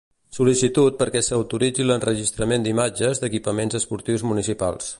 Sol·licitud perquè s'autoritzi l'enregistrament d'imatges d'equipaments esportius municipals.